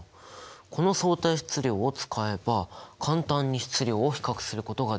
この相対質量を使えば簡単に質量を比較することができる！